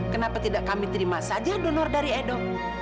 kenapa tidak kami terima saja donor dari edo